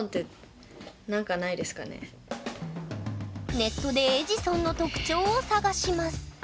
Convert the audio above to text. ネットでエジソンの特徴を探しますえ。